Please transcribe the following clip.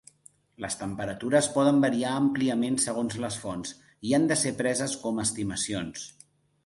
Les temperatures poden variar àmpliament segons les fonts, i han de ser preses com estimacions.